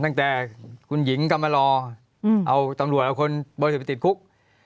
ตั้งแต่คุณหญิงก็มารอเอาตำรวจเอาคนบริสุทธิไปติดคุก